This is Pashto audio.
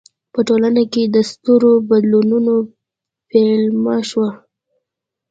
په ټولنه کې د سترو بدلونونو پیلامه شوه.